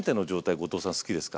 後藤さん好きですか？